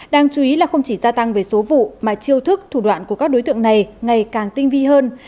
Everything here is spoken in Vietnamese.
đáng chú ý là không chỉ gia tăng về số vụ mà chiêu thức thủ đoạn của các đối tượng này ngày càng tinh vi hơn